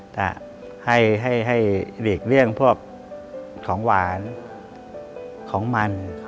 แต่ให้หลีกเลี่ยงพวกของหวานของมัน